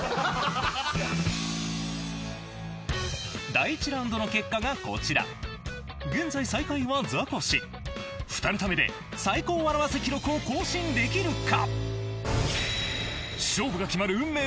第１ラウンドの結果がこちら現在最下位はザコシ２ネタ目で最高笑わせ記録を更新できるか！？